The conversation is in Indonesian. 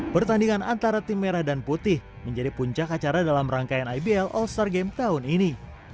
pertandingan antara tim merah dan putih menjadi puncak acara dalam rangkaian ibl all star game tahun ini